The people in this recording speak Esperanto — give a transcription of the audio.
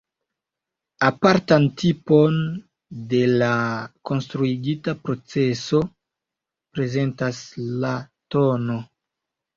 Apartan tipon de la konstruigita proceso prezentas la tn.